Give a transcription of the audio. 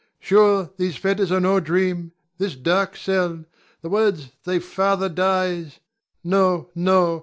Sure, those fetters are no dream, this dark cell, the words "Thy father dies!" No, no!